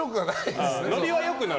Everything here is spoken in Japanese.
ノリは良くなる？